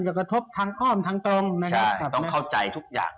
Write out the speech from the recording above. จะกระทบทั้งอ้อมทั้งตรงใช่ต้องเข้าใจทุกอย่าง